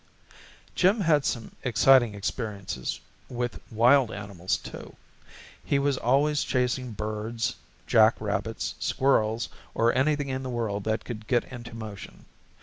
Jim had some exciting experiences with wild animals, too. He was always chasing birds, jack rabbits, squirrels, or anything in the world that could get into motion.